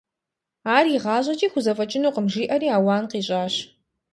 Ар игъащӏэкӏи хузэфӏэкӏынукъым, – жиӏэри ауан къищӏащ.